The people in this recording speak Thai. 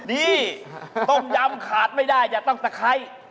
นี่ต้มยำขาดไม่ได้อย่าต้องตะไคร้